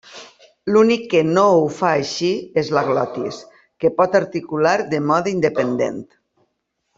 L'únic que no ho fa així és la glotis, que pot articular de mode independent.